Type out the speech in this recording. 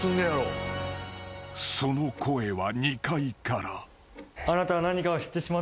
［その声は２階から］